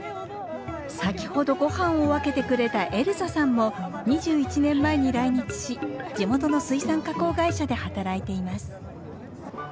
先ほどごはんを分けてくれたエルザさんも２１年前に来日し地元の水産加工会社で働いています。